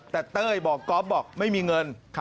แต่เต้ยบอกก๊อฟบอกไม่มีเงิน